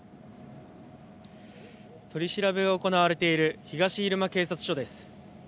取り調べが行われている東入間警察署です。